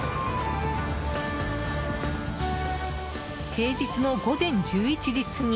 平日の午前１１時過ぎ。